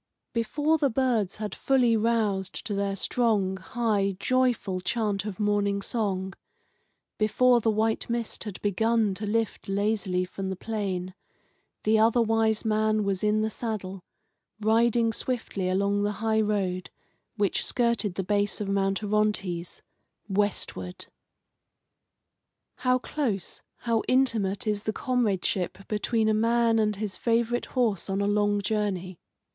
Before the birds had fully roused to their strong, high, joyful chant of morning song, before the white mist had begun to lift lazily from the plain, the Other Wise Man was in the saddle, riding swiftly along the high road, which skirted the base of Mount Orontes, westward. How close, how intimate is the comradeship between a man and his favourite horse on a long journey.